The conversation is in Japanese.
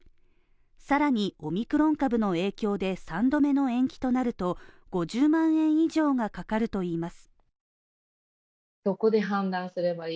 さらに、オミクロン株の影響で３度目の延期となると５０万円以上がかかるといいます。